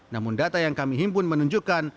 namun data yang kami himpun menunjukkan